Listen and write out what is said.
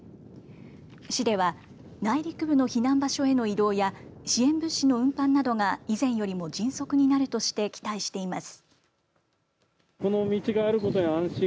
市では内陸部の避難場所への移動や支援物資の運搬などが以前よりも迅速になるとして期待しています。